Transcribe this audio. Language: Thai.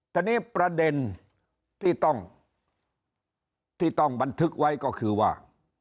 ทีนี้ประเด็นที่ต้องที่ต้องบันทึกไว้ก็คือว่า